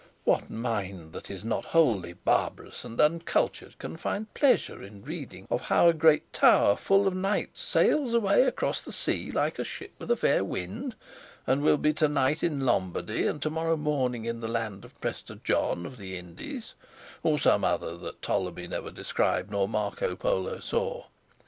What mind, that is not wholly barbarous and uncultured, can find pleasure in reading of how a great tower full of knights sails away across the sea like a ship with a fair wind, and will be to night in Lombardy and to morrow morning in the land of Prester John of the Indies, or some other that Ptolemy never described nor Marco Polo saw?